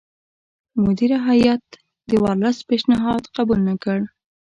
مدیره هیات د ورلسټ پېشنهاد قبول نه کړ.